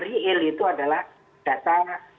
riil itu adalah data